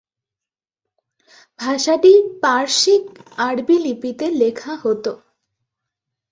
ভাষাটি পারসিক-আরবি লিপিতে লেখা হত।